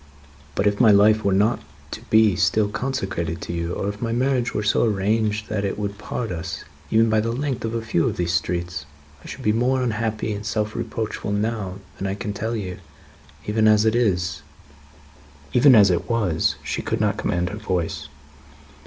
But, if my life were not to be still consecrated to you, or if my marriage were so arranged as that it would part us, even by the length of a few of these streets, I should be more unhappy and self reproachful now than I can tell you. Even as it is " Even as it was, she could not command her voice.